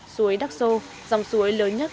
suối đắk sô dòng suối lớn nhất